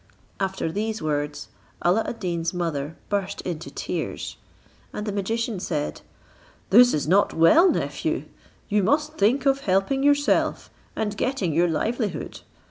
After these words, Alla ad Deen's mother burst into tears; and the magician said, "This is not well, nephew; you must think of helping yourself, and getting your livelihood.